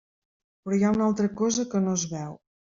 Però hi ha una altra cosa que no es veu.